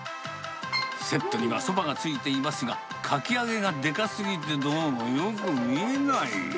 セットにはそばがついていますが、かき揚げがでかすぎて、どうもよく見えない。